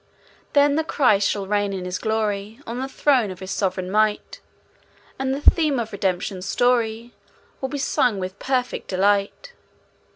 Then the Christ shall reign in his glory On the throne of his sovereign might: And the theme of Redemption's story Will be sung with perfect delight.